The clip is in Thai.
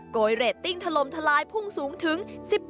โกยเรทติ้งทะลมทะลายพุ่งสูงถึง๑๘๖